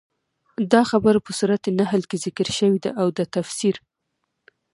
دا خبره په سورت نحل کي ذکر شوي ده، او د تفسير